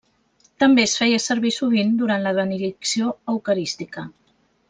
També es feia servir sovint durant la benedicció eucarística.